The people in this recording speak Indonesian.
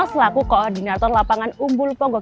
selaku koordinator lapangan umbul ponggok